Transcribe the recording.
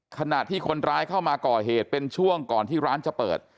ขณะที่คนร้ายเข้ามาก่อเหตุเป็นช่วงก่อนที่ร้านจะเปิด